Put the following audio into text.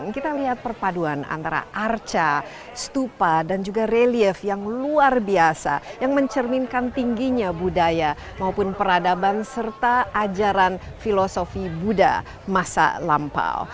kita lihat perpaduan antara arca stupa dan juga relief yang luar biasa yang mencerminkan tingginya budaya maupun peradaban serta ajaran filosofi buddha masa lampau